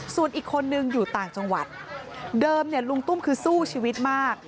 ส่วนอีกคนนึงอยู่ต่างจังหวัดเดิมเนี่ยลุงตุ้มคือสู้ชีวิตมาก